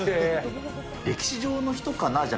歴史上の人かな？